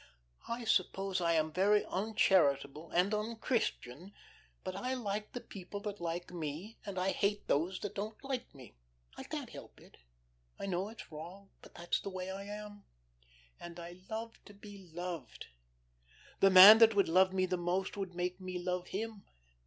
"I suppose I am very uncharitable and unchristian, but I like the people that like me, and I hate those that don't like me. I can't help it. I know it's wrong, but that's the way I am. And I love to be loved. The man that would love me the most would make me love him.